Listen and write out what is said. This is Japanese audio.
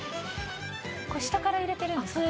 これ下から入れてるんですか？